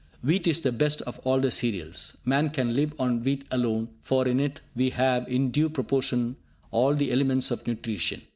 Wheat is the best of all the cereals. Man can live on wheat alone, for in it we have in due proportion all the elements of nutrition.